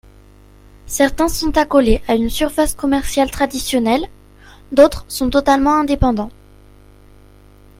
Certains sont accolés à une surface commerciale traditionnelle, d’autres sont totalement indépendants.